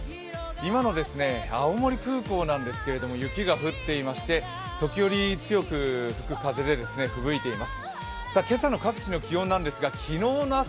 今の青森空港なんですけど、雪が降っていまして、時折強く吹く風でふぶいています。